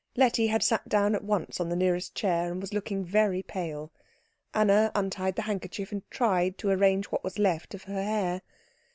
Letty had sat down at once on the nearest chair, and was looking very pale. Anna untied the handkerchief, and tried to arrange what was left of her hair.